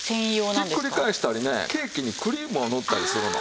ひっくり返したりねケーキにクリームを塗ったりするの。